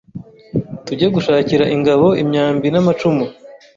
tujye gushakira ingabo imyambi n’amacumu